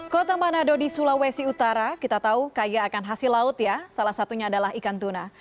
kota manado di sulawesi utara kita tahu kaya akan hasil laut ya salah satunya adalah ikan tuna